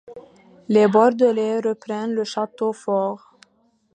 Les Bordelais reprennent le château fort.